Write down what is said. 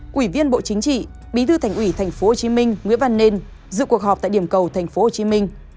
quỷ viên bộ chính trị bí thư thành ủy tp hcm nguyễn văn nên dự cuộc họp tại điểm cầu tp hcm